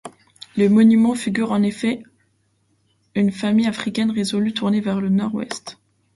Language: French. Le monument figure en effet une famille africaine résolument tournée vers le Nord-Ouest.